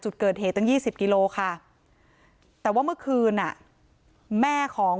จุดเกิดเหตุตั้ง๒๐กิโลค่ะแต่ว่าเมื่อคืนอ่ะแม่ของ